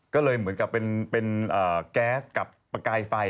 ก็เลยเหมือนกับเป็นแก๊สกับประกายไฟ